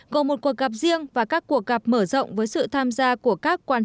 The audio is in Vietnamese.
gồm một cuộc gặp riêng và các cuộc gặp mở rộng với sự tham gia của các quan chức